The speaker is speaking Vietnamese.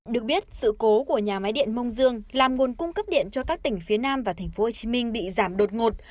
được biết sự cố của nhà máy điện mông dương làm nguồn cung cấp điện cho các tỉnh phía nam và tp hcm bị giảm đột ngột